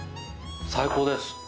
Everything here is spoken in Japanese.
最高です！